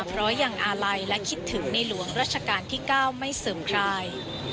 เพราะอย่างอาลัยและคิดถึงในหลวงราชการที่ก้าวไม่เสริมใคร